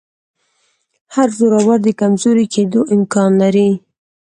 هر زورور د کمزوري کېدو امکان لري